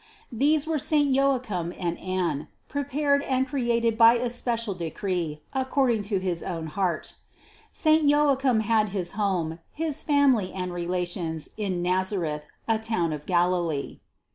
These were saint Joachim and Anne, prepared and cre ated by especial decree according to his own heart. Saint Joachim had his home, his family and relations in THE CONCEPTION 143 Nazareth, a town of Galilee.